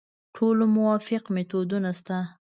ټولو موافق میتود شته.